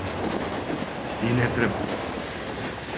И не треба!